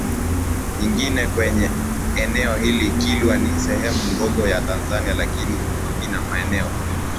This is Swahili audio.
nyingine kwenye eneo hili Kilwa ni sehemu ndogo ya Tanzania lakini ina maeneo